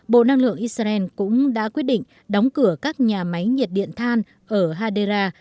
bộ năng lượng israel cũng đã quyết định đóng cửa các nhà máy nhiệt điện than ở hadera